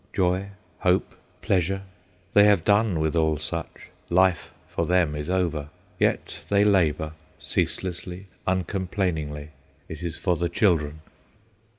Joy, hope, pleasure—they have done with all such, life for them is over. Yet they labour, ceaselessly, uncomplainingly. It is for the children.